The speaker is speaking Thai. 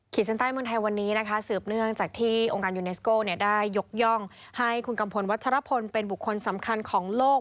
เส้นใต้เมืองไทยวันนี้นะคะสืบเนื่องจากที่องค์การยูเนสโก้ได้ยกย่องให้คุณกัมพลวัชรพลเป็นบุคคลสำคัญของโลก